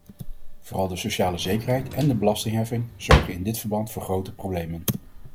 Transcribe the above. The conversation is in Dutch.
Vooral de sociale zekerheid en de belastingheffing zorgen in dit verband voor grote problemen.